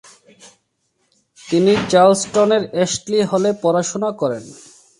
তিনি চার্লসটনের অ্যাশলি হলে পড়াশোনা করেন।